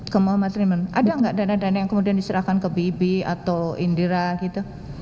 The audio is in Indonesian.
ke muhammad riman ada nggak dana dana yang kemudian diserahkan ke bibi atau indira gitu